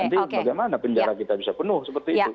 nanti bagaimana penjara kita bisa penuh seperti itu